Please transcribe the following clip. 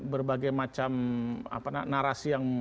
berbagai macam narasi yang